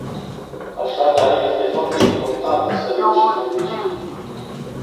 Așadar este foarte important să reușim aici.